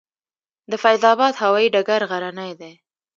د فیض اباد هوايي ډګر غرنی دی